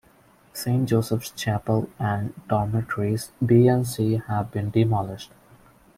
Saint Joseph's Chapel and dormitories B and C have been demolished.